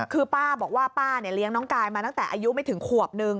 คือป้าบอกว่าป้าเลี้ยงน้องกายมาตั้งแต่อายุไม่ถึงขวบนึง